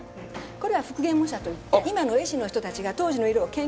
これは復元模写といって今の絵師の人たちが当時の色を研究して描いたのが。